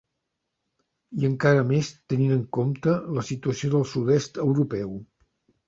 i encara més tenint en compte la situació del sud-est europeu.